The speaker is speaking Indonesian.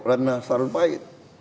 ratna sarun pahit